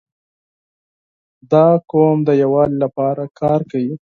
• دا قوم د یووالي لپاره کار کوي.